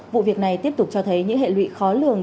vụ việc này tiếp tục cho thấy những hệ lụy khó lường